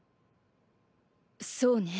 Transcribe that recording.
そうね。